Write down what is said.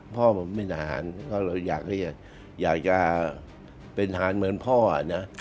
พ่อผมเป็นทหารเพราะเราอยากจะเป็นทหารเหมือนพ่อนะ